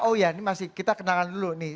oh ya kita kenalkan dulu nih